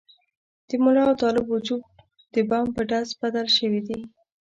د ملا او طالب وجود د بم په ډز بدل شوي دي.